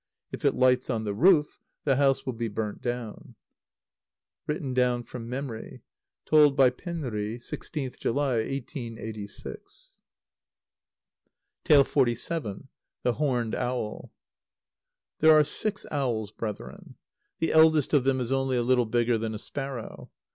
If it lights on the roof, the house will be burnt down. (Written down from memory. Told by Penri, 16th July, 1886.) xlvii. The [Horned] Owl. There are six owls, brethren. The eldest of them is only a little bigger than a sparrow.